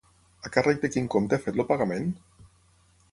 A càrrec de quin compte ha fet el pagament?